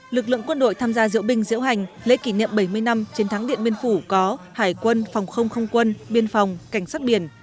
lực lượng quân đội tham gia diễu binh diễu hành lễ kỷ niệm bảy mươi năm chiến thắng điện biên phủ có hải quân phòng không không quân biên phòng cảnh sát biển